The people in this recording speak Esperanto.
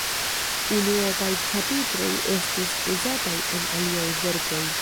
Unuopaj ĉapitroj estis uzataj en aliaj verkoj.